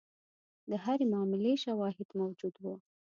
د هرې معاملې شواهد موجود وو.